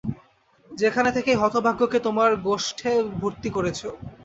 যেখান থেকে এই হতভাগ্যকে তোমার গোষ্ঠে ভরতি করেছ।